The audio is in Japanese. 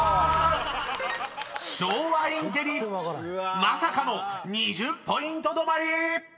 ［昭和インテリまさかの２０ポイント止まり！］